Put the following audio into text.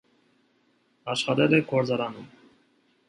Աշխատել է գործարանում։